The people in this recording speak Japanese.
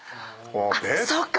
そっか！